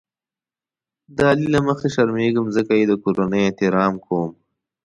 د علي له مخې شرمېږم ځکه یې د کورنۍ احترام کوم.